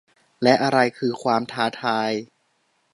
และอะไรคือความท้าทาย